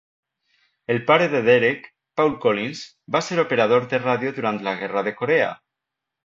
El pare de Derek, Paul Collins, va ser operador de ràdio durant la guerra de Corea.